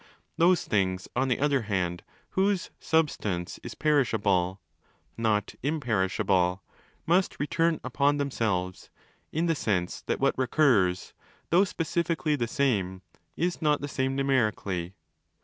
Those things, on the other hand, whose ' substance' is perishable (not imperishable) must ' return upon themselves ' in the sense that what recurs, though specifically the same, is not the same numerically.